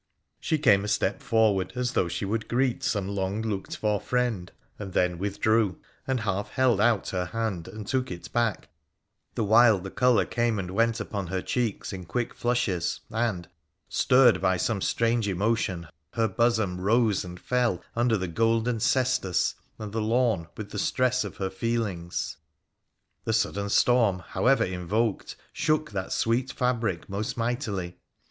She came a step forward, as though she would greet some long looked for friend, and then withdrew— and half held out her hand, and took it back, the while the colour came and went upon her cheeks in quick flushes, and, stirred by some strange emotion, her bosom rose and fell under the golden cestus and the lawn with the stress of her feelings. The sudden storm, however invoked, shook that sweet fabric most mightily.